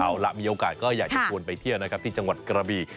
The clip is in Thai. เอาล่ะมีโอกาสก็อยากจะชวนไปเที่ยวนะครับที่จังหวัดกระบี